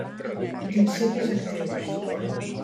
Principis actius: